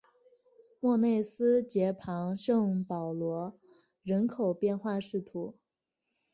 莫内斯捷旁圣保罗人口变化图示